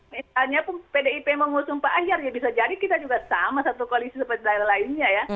misalnya pun pdip mengusung pak ganjar ya bisa jadi kita juga sama satu koalisi seperti lainnya ya